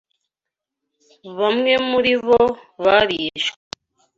Bamwe muri bo barishwe